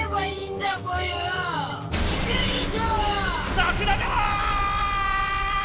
桜川！